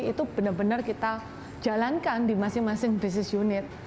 itu benar benar kita jalankan di masing masing business unit